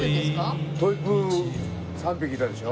トイプー３匹いたでしょ？